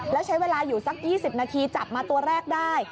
แล้วใช้เวลาอยู่สัก๒๐นาทีจับมาตัวแรกได้